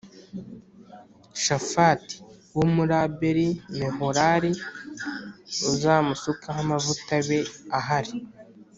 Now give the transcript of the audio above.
Shafati wo muri Abeli Meholal uzamusukeho amavuta abe ahari